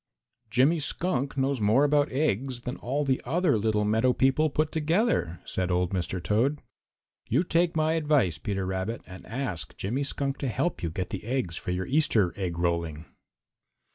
"Jimmy Skunk knows more about eggs than all the other little meadow people put together," said old Mr. Toad. "You take my advice, Peter Rabbit, and ask Jimmy Skunk to help you get the eggs for your Easter egg rolling."